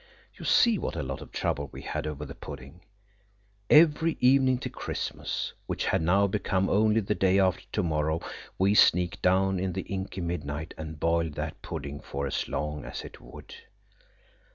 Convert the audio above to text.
You see what a lot of trouble we had over the pudding. Every evening till Christmas, which had now become only the day after to morrow, we sneaked down in the inky midnight and boiled that pudding for as long as it would.